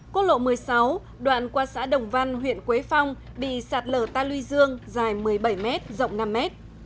quốc lộ một mươi sáu đoạn qua xã đồng văn huyện quế phong bị sạt lở ta luy dương dài một mươi bảy m rộng năm mét